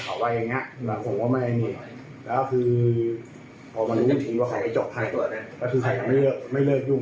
ก็คือใครจะไม่เลิกไม่เลิกยุ่งกับแฟนผม